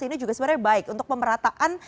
ini juga sebenarnya baik untuk pemerataan